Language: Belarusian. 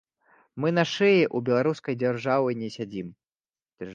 Мы на шыі ў беларускай дзяржавы не сядзім.